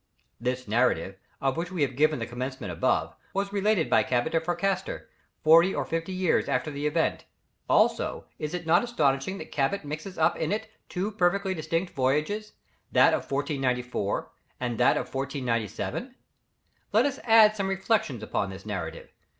This narrative, of which we have given the commencement above, was related by Cabot to Fracastor, forty or fifty years after the event. Also, is it not astonishing that Cabot mixes up in it two perfectly distinct voyages, that of 1494, and that of 1497? Let us add some reflections on this narrative.